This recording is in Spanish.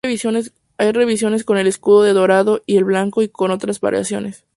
Hay versiones con el escudo en dorado y en blanco y con otras variaciones.